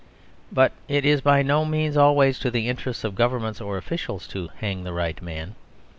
But it is by no means always to the interests of governments or officials to hang the right man.